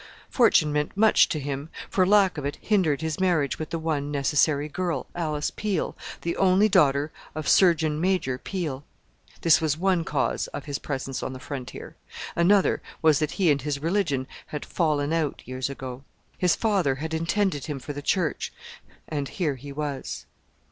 Fortune meant much to him for lack of it hindered his marriage with the one necessary girl, Alice Peel, the only daughter of Surgeon Major Peel. This was one cause of his presence on the frontier: another was that he and his religion had "fallen out" years ago. His father had intended him for the Church, and here he was....